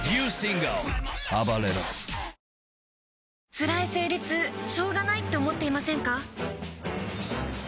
つらい生理痛しょうがないって思っていませんか？